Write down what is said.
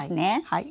はい。